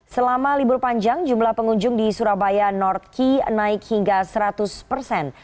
selama libur panjang jumlah pengunjung di surabaya north key naik hingga seratus persen